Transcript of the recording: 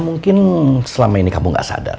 mungkin selama ini kamu gak sadar